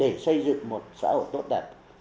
để xây dựng một xã hội tốt đẹp